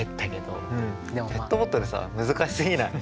でもペットボトルさ難しすぎない？